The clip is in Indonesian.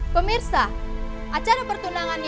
pemirsa acara pertunangan fb